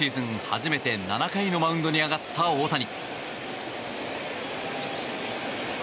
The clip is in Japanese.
初めて７回のマウンドに上がった大谷。